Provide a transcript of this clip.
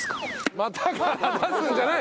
股から出すんじゃない！